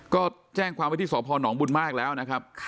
ก็แจ้งความวิธีสอบพรนองบุญมากแล้วนะครับ